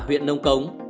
huyện nông cống